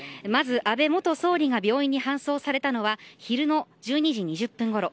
安倍元総理が病院に搬送されたのは昼の１２時２０分ごろ。